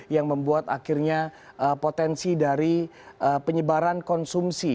yang membuat akhirnya potensi dari penyebaran konsumsi